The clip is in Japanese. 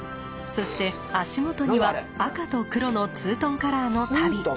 そして足元には赤と黒のツートンカラーの足袋。